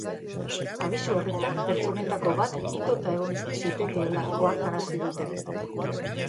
Abisu horretan pertsonetako bat itota egon zitekeela ohartarazi dute.